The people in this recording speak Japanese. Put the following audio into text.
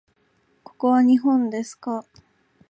ここは日本ですか？